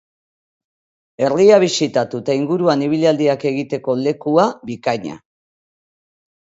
Herria bisitatu eta inguruan ibilaldiak egiteko lekua bikaina.